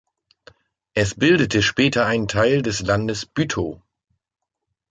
Es bildete später einen Teil des Landes Bütow.